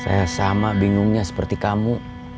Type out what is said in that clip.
saya sama bingungnya seperti kamu